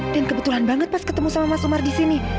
dan kebetulan banget pas ketemu sama mas umar disini